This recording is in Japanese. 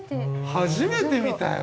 初めて見たよ。